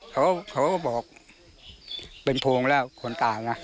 เขาก็บอกเป็นโพงแล้วคนตายนะ